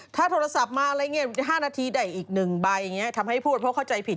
ถ้าโทรศัพท์มาอะไรอย่างนี้๕นาทีได้อีก๑ใบอย่างนี้ทำให้พูดเพราะเข้าใจผิด